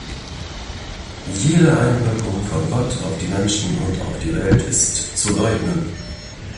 Jede Einwirkung von Gott auf die Menschen und auf die Welt ist zu leugnen.